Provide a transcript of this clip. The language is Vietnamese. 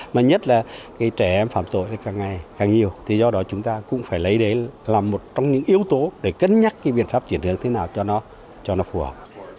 mà nhất là cái trẻ em phạm tội càng ngày càng nhiều thì do đó chúng ta cũng phải lấy đấy làm một trong những yếu tố để cân nhắc cái biện pháp chuyển hướng thế nào cho nó cho nó phù hợp